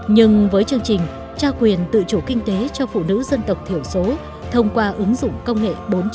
nhưng với chương trình trao quyền tự chủ kinh tế cho phụ nữ dân tộc thiểu số thông qua ứng dụng công nghệ bốn